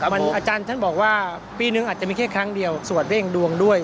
มันอาจารย์บอกว่าปีนึงหาจะมีแค่ครั้งเดียวสวัสดิ์เร่งดวงด้วย